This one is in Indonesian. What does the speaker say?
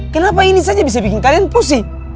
kenapa ini saja bisa bikin kalian pusing